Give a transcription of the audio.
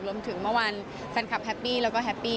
รวมถึงเมื่อวานแฟนคลับแฮปปี้แล้วก็แฮปปี้